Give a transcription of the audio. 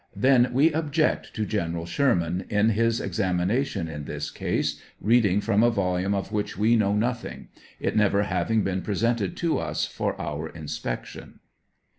Then we object to General Sherman, in 7 74 his examination in this case, reading from a volume of which we know nothing, it never having been presented to us for our inspection.